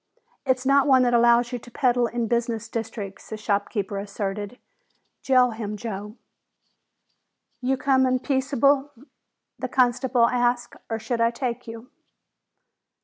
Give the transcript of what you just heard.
"It's not one that allows you to peddle in business districts," the storekeeper asserted. "Jail him, Joe." "You comin' peaceable?" the constable asked. "Or should I take you!"